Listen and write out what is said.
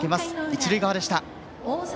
一塁側でした。